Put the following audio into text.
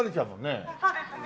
そうですね。